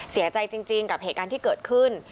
เสียใจจริงกับเหตุการณ์ที่เกิดขึ้น